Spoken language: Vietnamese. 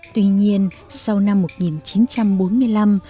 tuy nhiên sau năm một nghìn chín trăm bốn mươi năm